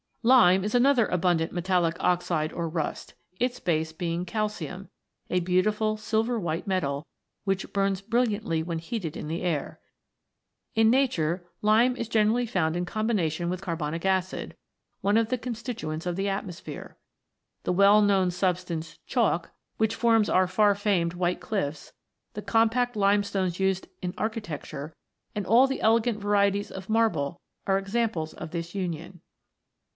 Lime is another abundant metallic oxide or rust, its base being calcium, a beautiful silver white metal, which burns brilliantly when heated in the air. In nature, lime is generally found in combi nation with carbonic acid, one of the constituents of the atmosphere. The well known substance, chalk, which forms our far famed white cliffs, the compact limestones used in architecture, and all 48 THE FOUR ELEMENTS. the elegant varieties of marble, are examples of this union.